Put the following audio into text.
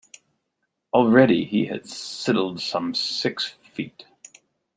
Already he had sidled some six feet.